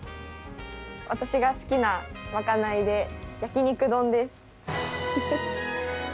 私が好きな賄いで焼肉丼です。